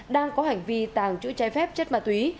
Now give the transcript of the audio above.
đang có hành vi tàng trữ trái phép chất ma túy